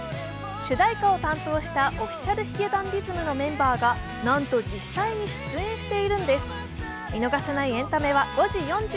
主題歌を担当したＯｆｆｉｃｉａｌ髭男ｄｉｓｍのメンバーがなんと実際に出演しているんです。